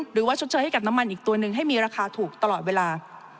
ชดเชยให้กับน้ำมันอีกตัวหนึ่งให้มีราคาถูกตลอดเวลา